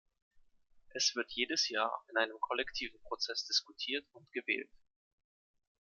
Es wird jedes Jahr in einem kollektiven Prozess diskutiert und gewählt.